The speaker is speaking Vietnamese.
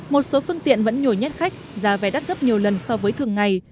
một số phương tiện vẫn nhồi nhét khách giá vé đắt gấp nhiều lần so với thường ngày